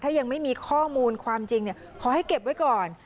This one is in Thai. ถ้ายังไม่มีข้อมูลความจริงขอให้เก็บไว้ก่อน